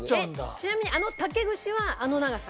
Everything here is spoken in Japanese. ちなみにあの竹串はあの長さ？